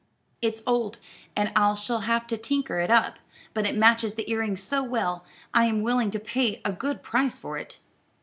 "It's old, and I shall have to tinker it up; but it matches the earrings so well I am willing to pay a good price for it.